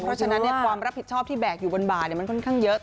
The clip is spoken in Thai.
เพราะฉะนั้นความรับผิดชอบที่แบกอยู่บนบ่ามันค่อนข้างเยอะ